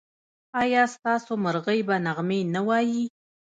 ایا ستاسو مرغۍ به نغمې نه وايي؟